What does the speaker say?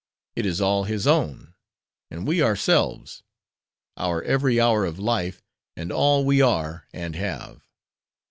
It is all his own; and we ourselves; our every hour of life; and all we are, and have."